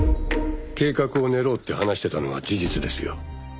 計画を練ろうって話してたのは事実ですよ。